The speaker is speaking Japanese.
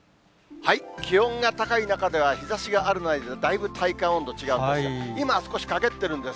気温が高い中では、日ざしがあるないで、だいぶ体感温度違うんですが、今、少し陰ってるんです。